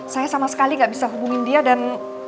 saya sama sekali gak bisa hubungin dia dan